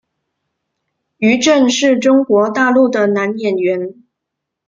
于震是中国大陆的男演员。